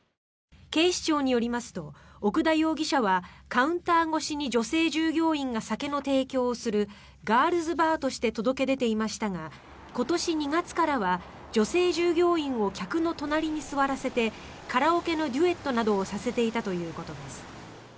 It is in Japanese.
警視庁によりますと奥田容疑者はカウンター越しに女性従業員が酒の提供をするガールズバーとして届け出ていましたが今年２月からは女性従業員を客の隣に座らせてカラオケのデュエットなどをさせていたということです。